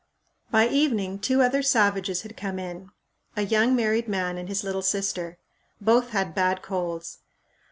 By evening two other savages had come in; a young married man and his little sister. Both had bad colds.